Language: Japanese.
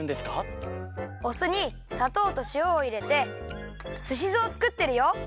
おすにさとうとしおをいれてすしずをつくってるよ！